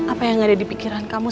apa yang ada di pikiran kamu